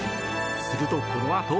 すると、このあと。